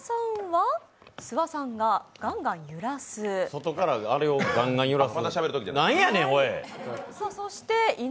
外からあれをガンガン揺らす。